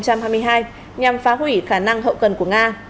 nhằm phá hủy khả năng hậu cần của nga